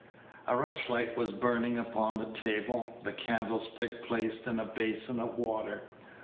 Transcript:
A rushlight was burning upon the table, the candlestick placed in a basin of water.